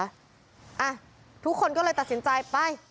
อ่ะทุกคนก็เลยตัดสินใจไป